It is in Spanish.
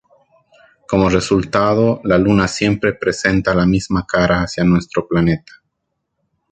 Como resultado, la luna siempre presenta la misma cara hacia nuestro planeta.